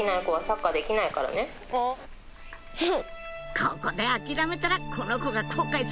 「ここで諦めたらこの子が後悔する」